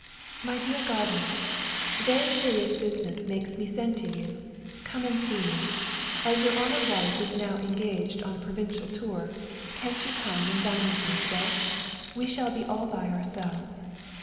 "MY DEAR GUARDIAN, "Very serious business makes me send to you. Come and see me. As your honoured wife is now engaged on a provincial tour, can't you come and dine with me to day? We shall be all by ourselves.